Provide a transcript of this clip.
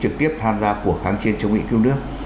trực tiếp tham gia cuộc kháng chiến chống mỹ cứu nước